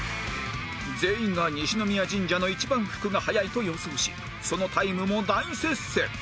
全員が西宮神社の一番福が早いと予想しそのタイムも大接戦